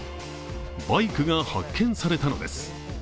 バイクが発見されたのです。